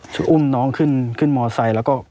อุ้มน้องขึ้นมอไซค์แล้วก็